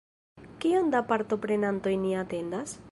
Kion da partoprenantoj ni atendas?